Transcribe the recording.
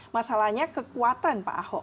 masalahnya kekuatan pak ahok